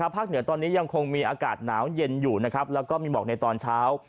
เหนือตอนนี้ยังคงมีอากาศหนาวเย็นอยู่นะครับแล้วก็มีหมอกในตอนเช้า